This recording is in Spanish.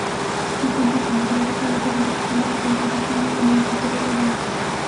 Se encuentra en Camerún, República Centroafricana, República del Congo, Guinea Ecuatorial y Gabón.